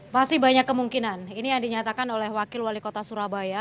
masih banyak kemungkinan ini yang dinyatakan oleh wakil wali kota surabaya